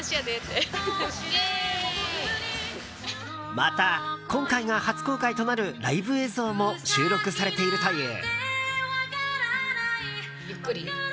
また、今回が初公開となるライブ映像も収録されているという。